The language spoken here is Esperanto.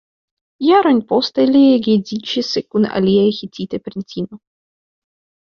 Jarojn poste li geedziĝis kun alia hitita princino.